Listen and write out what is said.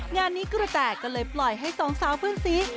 งานนี้กระแตกก็เลยปล่อยให้สองสาวเพื่อนสี